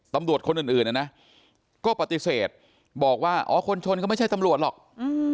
ตำรวจคนอื่นอื่นอ่ะนะก็ปฏิเสธบอกว่าอ๋อคนชนก็ไม่ใช่ตำรวจหรอกอืม